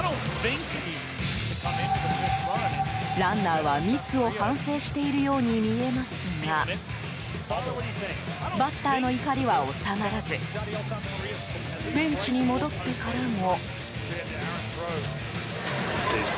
ランナーは、ミスを反省しているように見えますがバッターの怒りは収まらずベンチに戻ってからも。